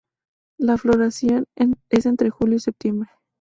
La floración es entre julio y septiembre.